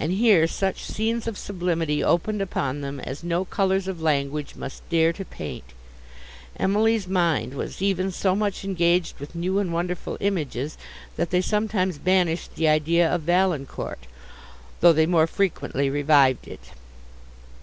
And here such scenes of sublimity opened upon them as no colours of language must dare to paint! Emily's mind was even so much engaged with new and wonderful images, that they sometimes banished the idea of Valancourt, though they more frequently revived it.